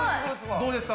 どうですか？